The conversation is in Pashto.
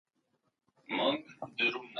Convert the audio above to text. ملتپال مشران ولس ته غږېدل.